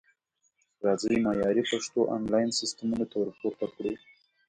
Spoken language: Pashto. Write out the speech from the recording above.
راځئ معیاري پښتو انلاین سیستمونو ته ورپوره کړو